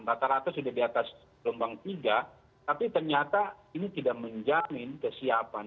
rata rata sudah di atas gelombang tiga tapi ternyata ini tidak menjamin kesiapan